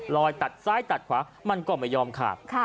ตัดซ้ายตัดขวามันก็ไม่ยอมขาด